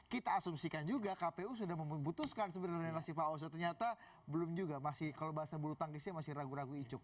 kita asumsikan juga kpu sudah memutuskan sebenarnya nasib pak oso ternyata belum juga masih kalau bahasa bulu tangkisnya masih ragu ragu icuk